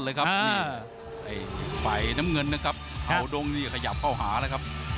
เลยครับไฟน้ำเงินนะครับเอาดงนี่ขยับเข้าหานะครับ